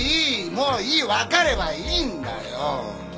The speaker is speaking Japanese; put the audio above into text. もういい分かればいいんだよ